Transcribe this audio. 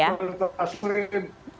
pak hermawi selamat malam